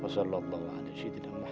sadarkan nasiti ya allah